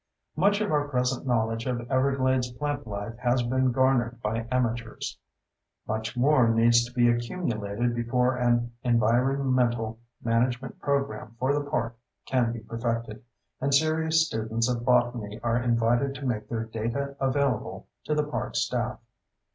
Much of our present knowledge of Everglades plantlife has been garnered by amateurs. Much more needs to be accumulated before an environmental management program for the park can be perfected, and serious students of botany are invited to make their data available to the park staff.